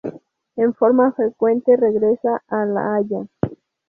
En forma frecuente regresa a La Haya.